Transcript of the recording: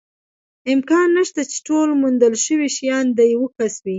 امکان نشته، چې ټول موندل شوي شیان د یوه کس وي.